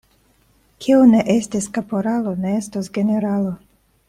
Kiu ne estis kaporalo, ne estos generalo.